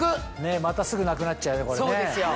またすぐなくなっちゃうこれね。